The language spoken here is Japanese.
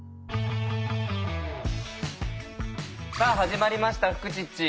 さあ始まりました「フクチッチ」。